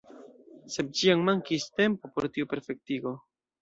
Sed ĉiam mankis tempo por tiu perfektigo.